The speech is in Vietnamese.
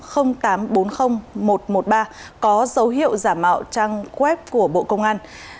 http hai tám trăm bốn mươi nghìn một trăm một mươi ba có dấu hiệu giả mạo trang web của bộ công an